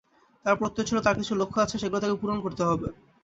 তাঁর প্রত্যয় ছিল, তাঁর কিছু লক্ষ্য আছে, সেগুলো তাঁকে পূরণ করতে হবে।